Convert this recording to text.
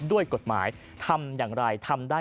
ด้วยกฎหมายทำอย่างไรทำได้